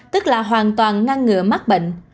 tức là hoàn toàn ngăn ngựa mắc bệnh